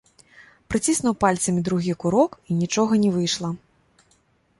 Прыціснуў пальцамі другі курок, і нічога не выйшла.